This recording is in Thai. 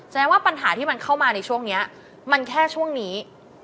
แสดงว่าปัญหาที่มันเข้ามาในช่วงนี้มันแค่ช่วงนี้